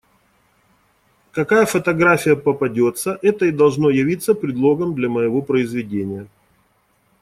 Какая фотография попадется, это и должно явиться предлогом для моего произведения.